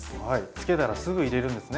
つけたらすぐ入れるんですね。